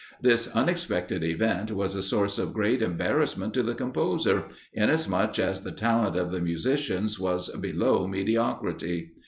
This unexpected event was a source of great embarrassment to the composer, inasmuch as the talent of the musicians was below mediocrity.